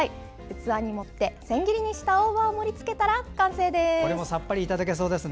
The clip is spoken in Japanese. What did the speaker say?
器に盛って千切りにした大葉を盛りつけたら完成です。